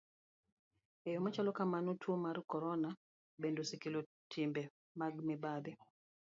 E yo machalo kamano, tuo mar corona bende osekelo timbe mag mibadhi.